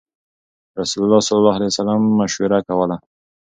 رسول الله صلی الله عليه وسلم مشوره کوله.